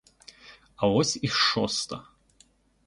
А ось і шоста.